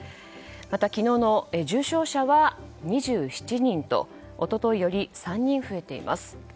また、昨日の重症者は２７人と一昨日より３人増えています。